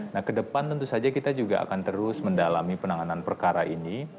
nah ke depan tentu saja kita juga akan terus mendalami penanganan perkara ini